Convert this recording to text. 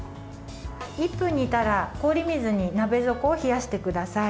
１分煮たら氷水に鍋底を冷やしてください。